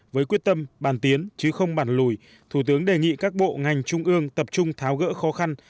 với quyết tâm bàn tiến chứ không bàn lùi thủ tướng đề nghị các bộ ngành trung ương tập trung tháo gỡ khó khăn